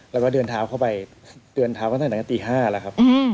แล้วก็เดินเท้าเข้าไปเตือนเท้ากันตั้งแต่ตี๕แล้วครับ